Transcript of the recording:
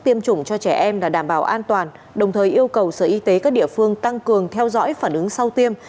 tiêm chủng cho trẻ em là đảm bảo an toàn đồng thời yêu cầu sở y tế các địa phương tăng cường theo dõi phản ứng sau tiêm